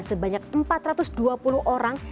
sebanyak empat ratus dua puluh orang